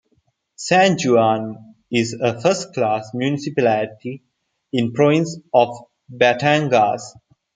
San Juan is a first class municipality in the province of Batangas.